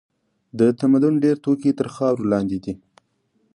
د تمدن ډېر توکي تر خاورو لاندې دي.